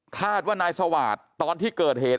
คาดว่านายสวาสตร์ตอนที่เกิดเหตุ